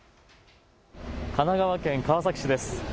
神奈川県川崎市です。